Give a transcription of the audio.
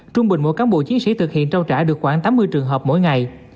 trung bình mỗi cán bộ chiến sĩ thực hiện trao trả được khoảng tám mươi trường hợp mỗi ngày